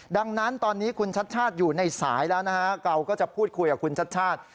ดังนั้นตอนนี้คุณชัดชาติอยู่ในสายแล้วนะฮะเราก็จะพูดคุยกับคุณชัดชาติ